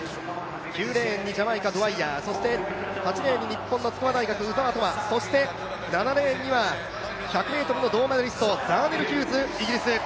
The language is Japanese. ９レーンにジャマイカのドウァイヤー、８レーンに日本の筑波大学、鵜澤７レーンには１００ｍの銅メダリストザーネル・ヒューズ、イギリス。